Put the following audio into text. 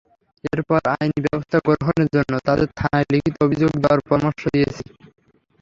এরপর আইনি ব্যবস্থা গ্রহণের জন্য তাঁদের থানায় লিখিত অভিযোগ দেওয়ার পরামর্শ দিয়েছি।